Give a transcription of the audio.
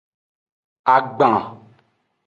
Agban.